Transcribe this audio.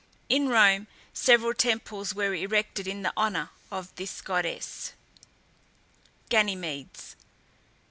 In Rome, several temples were erected in honour of this goddess. GANYMEDES.